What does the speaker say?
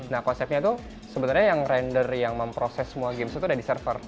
nah konsepnya itu sebenarnya yang render yang memproses semua games itu udah di server